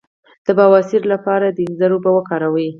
د بواسیر لپاره د انځر اوبه وکاروئ